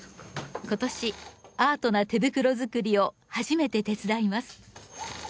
今年アートな手袋づくりを初めて手伝います。